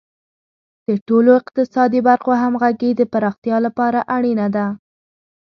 د ټولو اقتصادي برخو همغږي د پراختیا لپاره اړینه ده.